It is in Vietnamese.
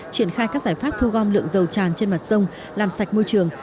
triển khai các giải pháp thu gom lượng dầu tràn trên mặt sông làm sạch môi trường